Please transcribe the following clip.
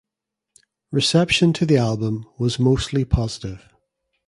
Reception to the album was mostly positive.